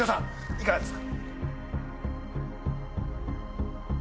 いかがですか？